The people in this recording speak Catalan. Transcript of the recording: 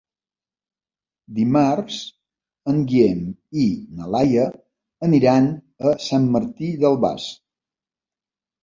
Dimarts en Guillem i na Laia aniran a Sant Martí d'Albars.